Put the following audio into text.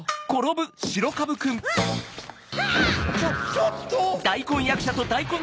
ちょっと！